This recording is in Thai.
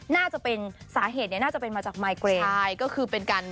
น่าจะเป็นสาเหตุเนี่ยน่าจะเป็นมาจากไมเกรนใช่ก็คือเป็นการ